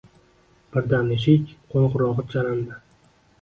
Birdan eshik qo`ng`irog`i chalindi